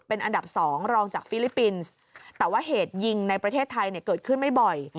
เป็นอันดับ๒รองจากฟิลิปปินส์แต่ว่าเหตุยิงในประเทศไทยเกิดขึ้นไม่บ่อย